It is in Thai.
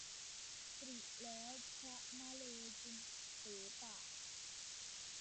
ตริแล้วพระมะเหลจึงเป๋ปะ